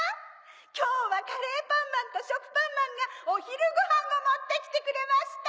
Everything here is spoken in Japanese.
きょうはカレーパンマンとしょくぱんまんがおひるごはんをもってきてくれました！